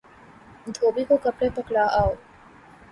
دھوبی کو کپڑے پکڑا او